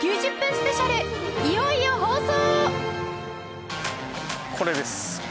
スペシャルいよいよ放送！